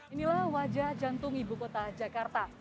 inilah wajah jantung ibu kota jakarta